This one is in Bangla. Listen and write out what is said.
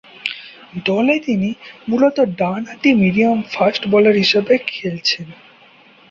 দলে তিনি মূলতঃ ডানহাতি মিডিয়াম-ফাস্ট বোলার হিসেবে খেলছেন।